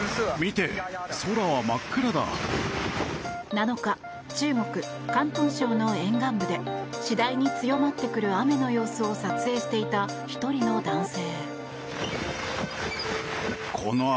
７日、中国・広東省の沿岸部で次第に強まってくる雨の様子を撮影していた１人の男性。